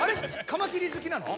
カマキリずきなの？